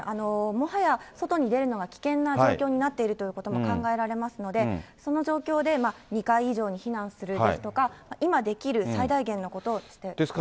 もはや、外に出るのが危険な状況になっているということも考えられますので、その状況で２階以上に避難するですとか、今できる最大限のことをしてください。